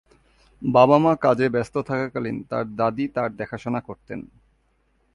বাবা মা কাজে ব্যস্ত থাকাকালীন তাঁর দাদি তাঁর দেখাশোনা করতেন।